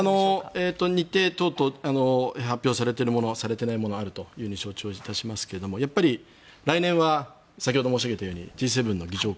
日程等々発表されているもの発表されていないものがあると承知をいたしますが来年は先ほど申し上げたようにＧ７の議長国。